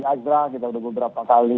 ini seperti apa sih sebetulnya bang wandi